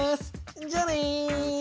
じゃあね。